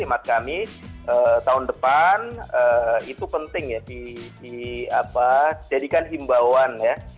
maksud kami tahun depan itu penting ya dijadikan himbauan ya